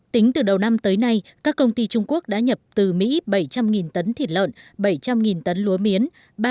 tính từ đầu năm tới nay các công ty trung quốc đã nhập từ mỹ bảy trăm linh tấn thịt lợn bảy trăm linh tấn lúa miến